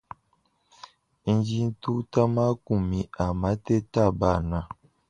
Ndi ntuta makumi a mateta abana.